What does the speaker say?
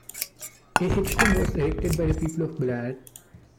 A headstone was erected by the people of Ballarat.